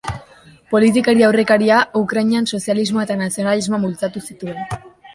Politikari aurrekaria, Ukrainan sozialismoa eta nazionalismoa bultzatu zituen.